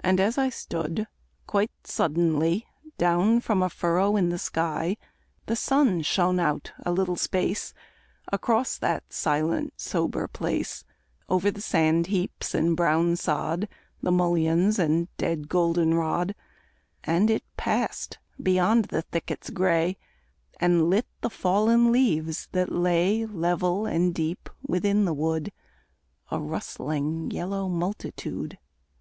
And as I stood, quite suddenly, Down from a furrow in the sky The sun shone out a little space Across that silent sober place, Over the sand heaps and brown sod, The mulleins and dead goldenrod, And passed beyond the thickets gray, And lit the fallen leaves that lay, Level and deep within the wood, A rustling yellow multitude.